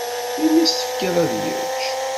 Melmi i s-tefkiḍ ad yečč?